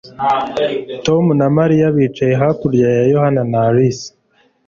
Tom na Mariya bicaye hakurya ya Yohana na Alice